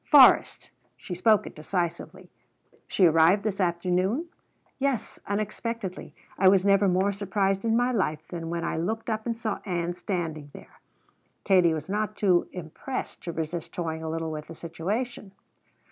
"Forrest." She spoke it decisively. "She arrived this afternoon?" "Yes, unexpectedly. I was never more surprised in my life than when I looked up and saw Ann standing there." Katie was not too impressed to resist toying a little with the situation.